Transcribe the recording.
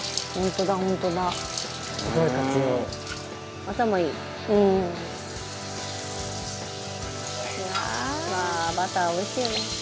藤本：バター、おいしいよね。